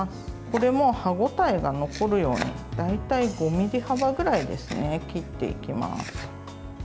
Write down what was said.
これも歯応えが残るように大体５ｍｍ幅ぐらいに切っていきます。